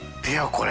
これ。